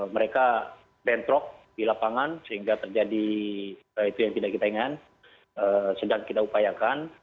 mereka bentrok di lapangan sehingga terjadi itu yang tidak kita ingin sedang kita upayakan